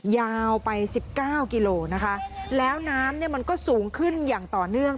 ยาวไป๑๙กิโลนะคะแล้วน้ำมันก็สูงขึ้นอย่างต่อเนื่อง